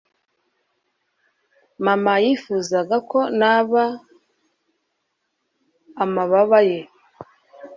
mama yifuzaga ko naba amababa ye